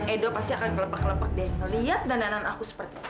edo pasti akan kelepak kelepak deh ngelihat dhananan aku seperti ini